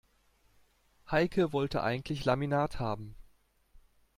Heike wollte eigentlich Laminat haben.